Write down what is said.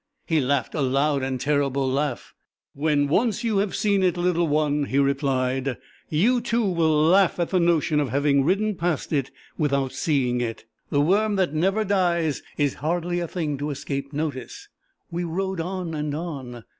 He laughed a loud and terrible laugh. "When once you have seen it, little one," he replied, "you too will laugh at the notion of having ridden past it without seeing it. The worm that never dies is hardly a thing to escape notice!" We rode on and on.